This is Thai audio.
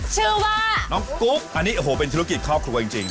เชื่อว่าน้องกุ๊กอันนี้โอ้โหเป็นธุรกิจครอบครัวจริง